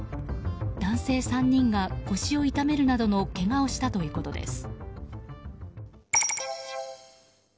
男性３人が腰を痛めるなどのけがをしたということです。